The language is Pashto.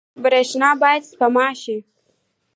برښنا باید سپما شي